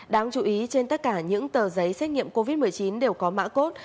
đáng chú ý trên tất cả những tờ giấy xét nghiệm covid một mươi chín đều có mã cốt